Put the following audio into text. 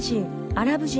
アラブ人